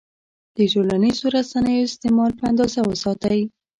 د ټولنیزو رسنیو استعمال په اندازه وساتئ.